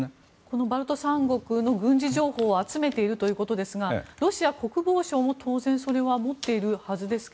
バルト三国の軍事情報を集めているということですがロシア国防省も当然それは持っているはずですが。